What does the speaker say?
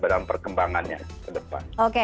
dalam perkembangannya ke depan